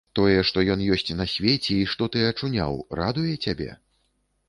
Тое, што ён ёсць на свеце і што ты ачуняў, радуе цябе?